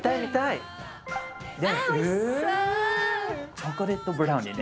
チョコレートブラウニーね。